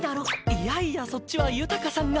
いやいやそっちは豊さんが。